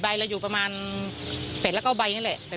ไปอยู่ประมาณเปรตแล้วก้าวใบนี้แหละอ่ะ